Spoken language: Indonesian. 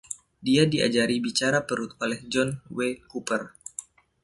Dia diajari bicara perut oleh John W. Cooper.